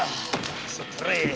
くそったれ！